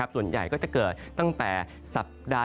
ส่วนใหญ่ก็จะเกิดตั้งแต่สัปดาห์